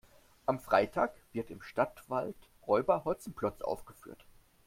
Am Freitag wird im Stadtwald Räuber Hotzenplotz aufgeführt.